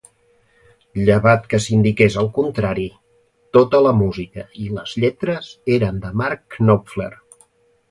Llevat que s'indiqués el contrari, tota la música i les lletres eren de Mark Knopfler.